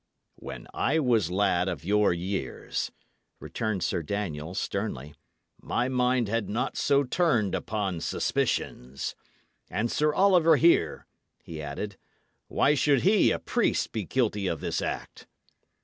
"When I was lad of your years," returned Sir Daniel, sternly, "my mind had not so turned upon suspicions. And Sir Oliver here," he added, "why should he, a priest, be guilty of this act?"